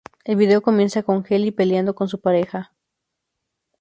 El vídeo comienza con Kelly peleando con su pareja.